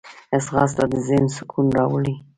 ځغاسته د ذهن سکون راوړي